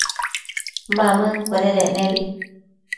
Mamëncuededec nebi